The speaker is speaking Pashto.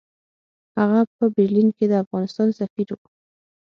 هغه په برلین کې د افغانستان سفیر وو.